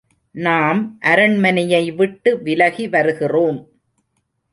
நாம் அரண்மனையை விட்டு விலகி வருகிறோம்.